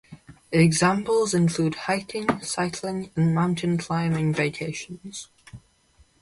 Examples include hiking, cycling, and mountain climbing vacations.